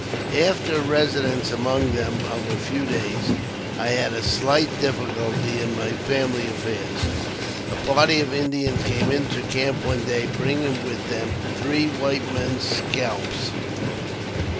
After a residence among them of a few days, I had slight difficulty in my family affairs. A party of Indians came into camp one day, bringing with them three white men's scalps.